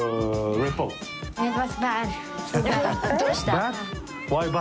どうした？